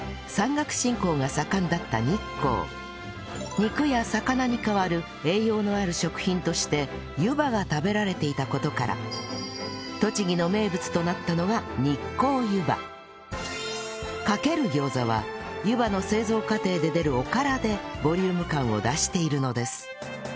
肉や魚に代わる栄養のある食品として湯波が食べられていた事から栃木の名物となったのがかけるギョーザは湯波の製造過程で出るおからでボリューム感を出しているのです